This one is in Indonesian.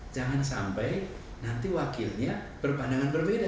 jangan sampai nanti wakilnya berpandangan berbeda